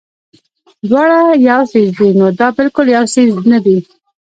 دواړه يو څيز دے نو دا بالکل يو څيز نۀ دے